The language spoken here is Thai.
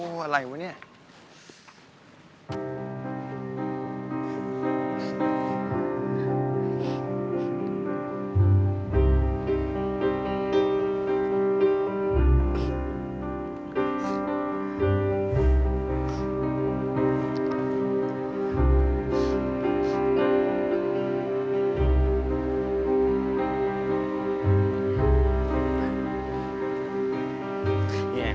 ชื่อฟอยแต่ไม่ใช่แฟง